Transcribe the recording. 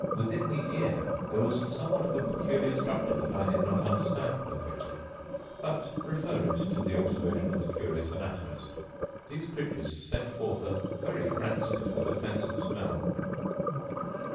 Within the ear there was somewhat of a peculiar structure that I did not understand perfectly; but refer it to the observation of the curious anatomist. These creatures send forth a vary rancid and offensive smell.